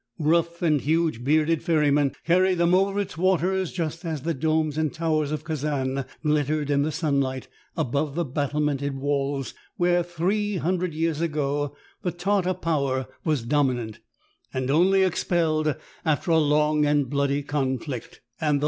Rough and huge bearded ferrymen carried them over its waters just as the domes and towers of Kazan glittered in the sunlight above the battlemented walls, where, three hundred years ago, the Tartar power was dominant, and only expelled after a long and bloody conflict, and the THE serf's revenge.